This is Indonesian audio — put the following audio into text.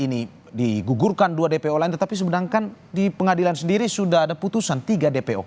ini digugurkan dua dpo lain tetapi sebenarnya kan di pengadilan sendiri sudah ada putusan tiga dpo